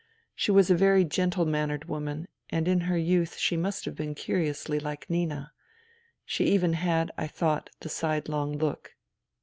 She was a very gentle mannered woman and in her youth she must have been curiously like Nina. She even had, I thought, the side long look.